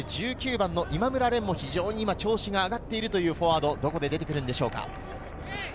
今村蓮も非常に今調子が上がっているフォワード、どこで出てくるんでしょうか。